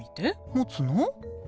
持つの？